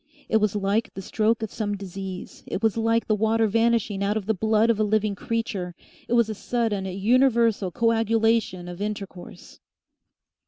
It was like the stroke of some disease it was like the water vanishing out of the blood of a living creature; it was a sudden, universal coagulation of intercourse....